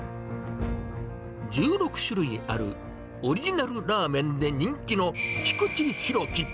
１６種類あるオリジナルラーメンで人気のきくちひろき。